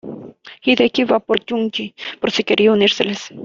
Hideki va por Junji, por si quería unírseles.